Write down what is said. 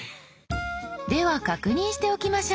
では確認しておきましょう。